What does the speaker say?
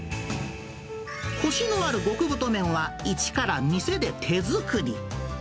こしのある極太麺は、一から店で手作り。